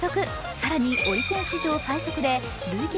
更にオリコン史上最速で累積